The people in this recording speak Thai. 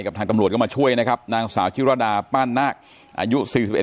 กับทางตำรวจกำมาช่วยนะครับนางสาวชิคกี้พายาป้านหน้าอายุสิบเอ็ด